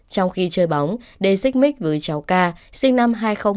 trong khi chơi bóng đề xích mít với cháu k sinh năm hai nghìn một mươi hai